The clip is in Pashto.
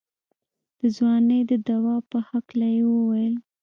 د ځوانۍ د دوا په هکله يې وويل.